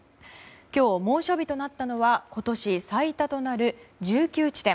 今日、猛暑日となったのは今年最多となる１９地点。